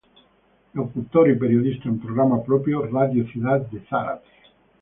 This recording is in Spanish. Locutor y periodista en programa propio, Radio Ciudad de Zárate.